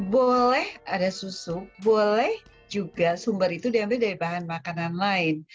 boleh ada susu boleh juga sumber itu diambil dari bahan makanan lain